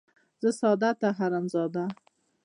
ـ زه ساده ،ته حرام زاده.